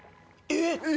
えっ？